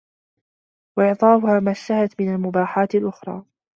وَإِعْطَاؤُهَا مَا اشْتَهَتْ مِنْ الْمُبَاحَاتِ أَحْرَى